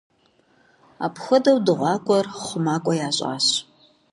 Апхуэдэу дыгъуакӏуэр хъумакӏуэ ящӏащ.